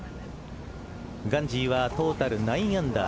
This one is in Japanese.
ガンジーはトータル９アンダー。